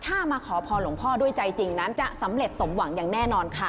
ถ้ามาขอพรหลวงพ่อด้วยใจจริงนั้นจะสำเร็จสมหวังอย่างแน่นอนค่ะ